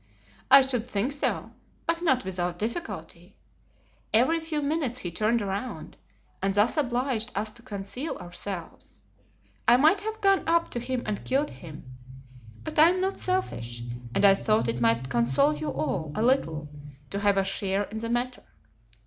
"I should think so, but not without difficulty. Every few minutes he turned around, and thus obliged us to conceal ourselves. I might have gone up to him and killed him. But I am not selfish, and I thought it might console you all a little to have a share in the matter.